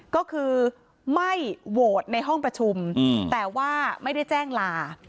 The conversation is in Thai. ก็คือไม่โหวตในห้องประชุมแต่ว่าไม่ได้แจ้งลา